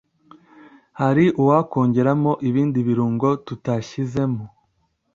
hari uwakongeramo ibindi birungo tutashyizemo.